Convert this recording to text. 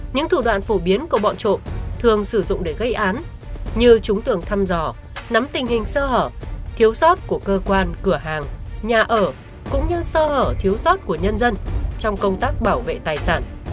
những thủ đoạn phổ biến của bọn trộm thường sử dụng để gây án như chúng thường thăm dò nắm tình hình sơ hở thiếu sót của cơ quan cửa hàng nhà ở cũng như sơ hở thiếu sót của nhân dân trong công tác bảo vệ tài sản